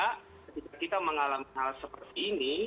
ketika kita mengalami hal seperti ini